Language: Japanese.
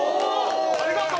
ありがとう！